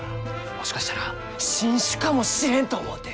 もしかしたら新種かもしれんと思うて！